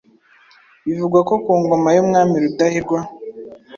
Bivugwa ko ku ngoma y’umwami Rudahirwa,